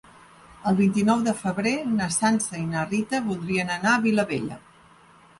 El vint-i-nou de febrer na Sança i na Rita voldrien anar a Vilabella.